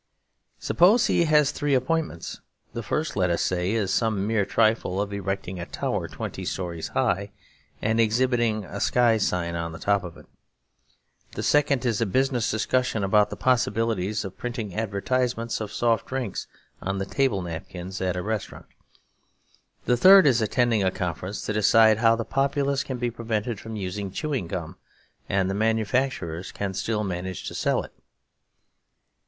Suppose he has three appointments; the first, let us say, is some mere trifle of erecting a tower twenty storeys high and exhibiting a sky sign on the top of it; the second is a business discussion about the possibility of printing advertisements of soft drinks on the table napkins at a restaurant; the third is attending a conference to decide how the populace can be prevented from using chewing gum and the manufacturers can still manage to sell it.